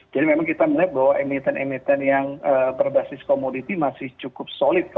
jadi memang kita melihat bahwa emiten emiten yang berbasis komoditi masih cukup solid